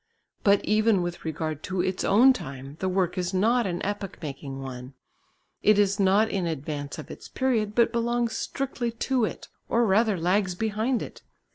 But even with regard to its own time the work is not an epoch making one; it is not in advance of its period, but belongs strictly to it, or rather lags behind it.